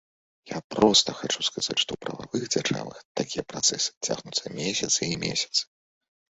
Я проста хачу сказаць, што ў прававых дзяржавах такія працэсы цягнуцца месяцы і месяцы.